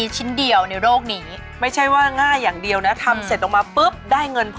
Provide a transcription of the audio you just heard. ใช่นี่ถ้ารู้จักกันเดี๋ยวแถมแล้วต้องห้อยเปินนะ